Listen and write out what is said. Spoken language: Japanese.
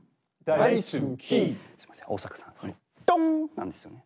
なんですよね。